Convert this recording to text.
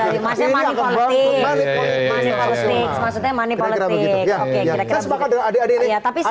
maksudnya money politik